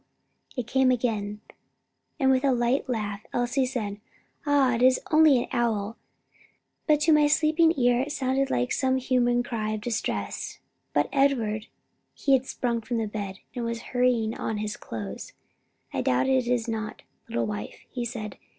it came again, and with a light laugh, Elsie said, "Ah it is only an owl; but to my sleeping ear it seemed like a human cry of distress. But Edward " He had sprung from the bed and was hurrying on his clothes. "I doubt if it is not, little wife," he said.